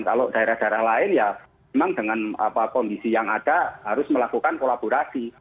kalau daerah daerah lain ya memang dengan kondisi yang ada harus melakukan kolaborasi